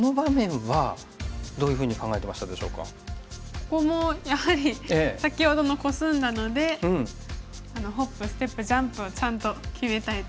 ここもやはり先ほどのコスんだのでホップステップジャンプをちゃんと決めたいと。